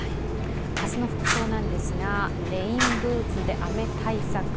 明日の服装なんですがレインブーツで雨対策。